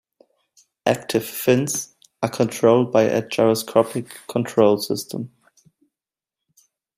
"Active fins" are controlled by a gyroscopic control system.